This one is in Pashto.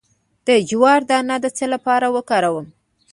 د جوار دانه د څه لپاره وکاروم؟